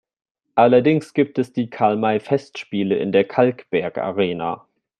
Allerdings gibt es die Karl-May-Festspiele in der Kalkbergarena.